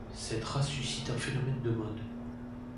Cette race suscite un phénomène de mode.